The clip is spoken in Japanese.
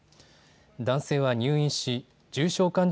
男性は入院し重症患者